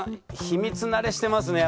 秘密慣れしてますね。